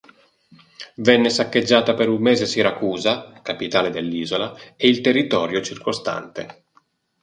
Venne saccheggiata per un mese Siracusa, capitale dell'isola, e il territorio circostante.